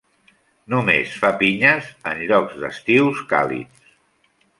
Només fa pinyes en llocs d'estius càlids.